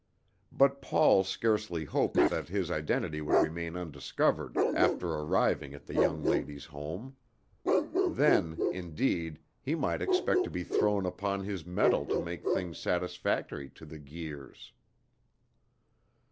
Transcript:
But Paul scarcely hoped that his identity would remain undiscovered after arriving at the young lady's home; then, indeed, he might expect to be thrown upon his mettle to make things satisfactory to the Guirs.